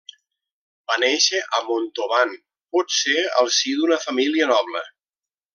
Va néixer a Montauban, potser al si d'una família noble.